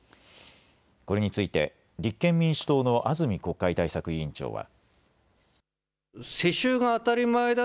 これについて立憲民主党の安住国会対策委員長は。